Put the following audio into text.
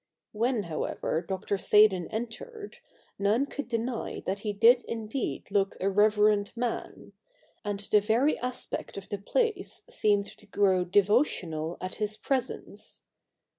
When, however, Dr. Seydon entered, none could deny that he did indeed look a reverend man ; and the very aspect of the place seemed to grow devotional at his presence.